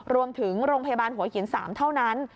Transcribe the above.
โรงพยาบาลหัวหิน๓เท่านั้น